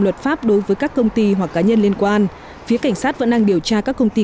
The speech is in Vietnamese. luật pháp đối với các công ty hoặc cá nhân liên quan phía cảnh sát vẫn đang điều tra các công ty